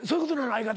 相方。